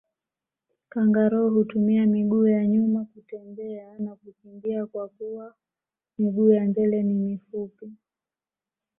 Kangaroo hutumia miguu ya nyuma kutembea na kukimbia kwakuwa miguu ya mbele ni mifupi